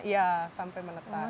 iya sampai menetas